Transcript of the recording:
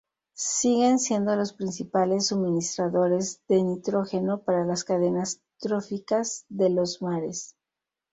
Siguen siendo los principales suministradores de nitrógeno para las cadenas tróficas de los mares.